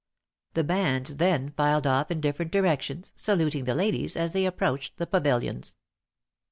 The bands then filed off in different directions, saluting the ladies as they approached the pavilions.